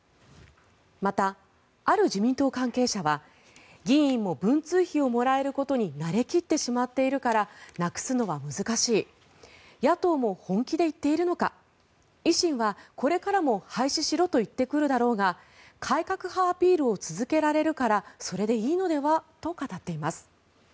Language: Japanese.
また、ある自民党関係者は議員も文通費をもらえることに慣れ切ってしまっているからなくすのは難しい野党も本気で言っているのか維新はこれからも廃止しろと言ってくるだろうが改革派アピールを続けられるからそれでいいのではと語っています。